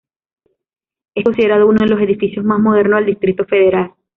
Es considerado uno de los edificios más modernos del Distrito Federal.